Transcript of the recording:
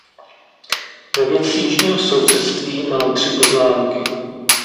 Ve věci jižního sousedství mám tři poznámky.